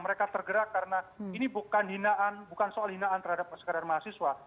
mereka tergerak karena ini bukan hinaan bukan soal hinaan terhadap sekadar mahasiswa